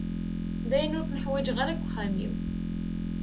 Dayen ur ken-uḥwaǧeɣ ara deg uxxam-iw.